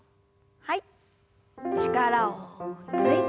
はい。